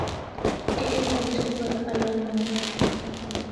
کہ اِتھا دی صبح دا الگ ای مزہ اے۔